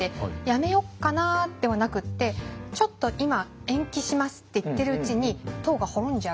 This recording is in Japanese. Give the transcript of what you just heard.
「やめよっかな」ではなくって「ちょっと今延期します」って言ってるうちに唐が滅んじゃう。